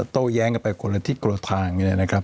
โตแยงกันไปคนละทีกันคนละทาง